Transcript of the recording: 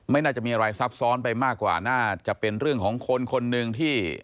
น่าจะมีอะไรซับซ้อนไปมากกว่าน่าจะเป็นเรื่องของคนคนหนึ่งที่